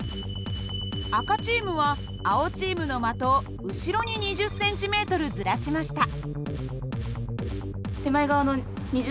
赤チームは青チームの的を後ろに２０ｃｍずらしました。